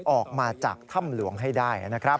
ออกมาจากถ้ำหลวงให้ได้นะครับ